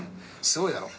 すごいだろ。